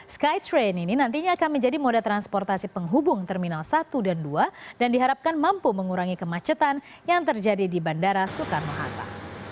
skytrain ini nantinya akan menjadi moda transportasi penghubung terminal satu dan dua dan diharapkan mampu mengurangi kemacetan yang terjadi di bandara soekarno hatta